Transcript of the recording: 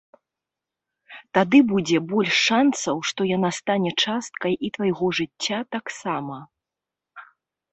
Тады будзе больш шанцаў, што яна стане часткай і твайго жыцця таксама.